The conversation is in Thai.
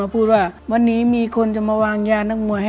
ก็พูดว่าวันนี้มีคนจะมาวางยานักมัวให้ระวังดีนะครับ